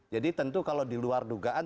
jadi tentu kalau diluar dugaan